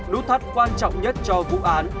nút thắt quan trọng nhất cho vụ án